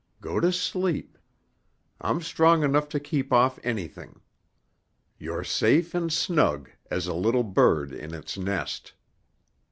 Go to sleep. I'm strong enough to keep off anything. You're safe and snug as a little bird in its nest.